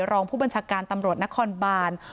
รองผู้บัญชาการตำรวจนครบาน